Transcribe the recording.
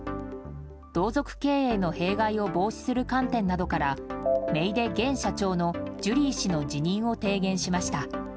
同族経営の弊害を防止する観点などからめいで現社長のジュリー氏の辞任を提言しました。